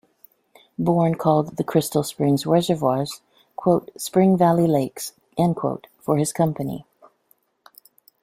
Bourn called the Crystal Springs Reservoirs "Spring Valley Lakes" for his company.